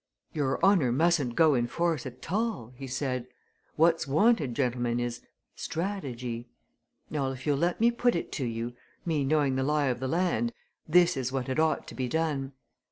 "Your honour mustn't go in force at all!" he said. "What's wanted, gentlemen, is strategy! Now if you'll let me put it to you, me knowing the lie of the land, this is what had ought to be done.